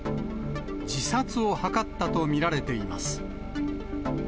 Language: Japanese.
自殺を図ったと見られています。